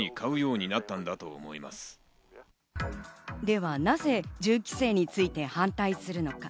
ではなぜ銃規制について反対するのか。